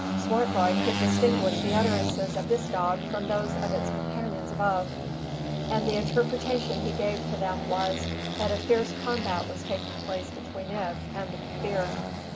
Swartboy could distinguish the utterances of this dog from those of its companions above, and the interpretation he gave to them was, that a fierce combat was taking place between it and the Kaffir.